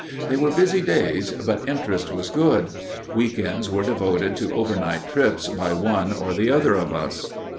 They were busy days but interest was good. Week ends were devoted to overnight trips by one or the other of us.